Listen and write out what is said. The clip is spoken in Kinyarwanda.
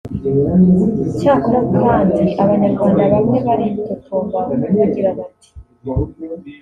Cyakora kandi abanyarwanda bamwe baritotomba bagira bati